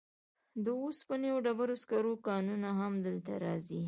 د اوسپنې او ډبرو سکرو کانونه هم دلته راځي.